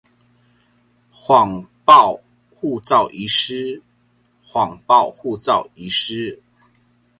謊報護照遺失